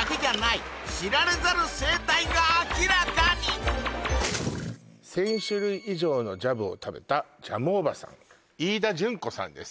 今のはねご紹介とみさき「１０００種類以上のジャムを食べたジャムおばさん」「飯田順子」さんです